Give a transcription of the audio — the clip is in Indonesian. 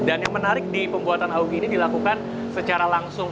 dan yang menarik di pembuatan awuk ini dilakukan secara langsung